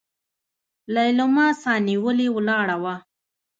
ليلما سانيولې ولاړه وه.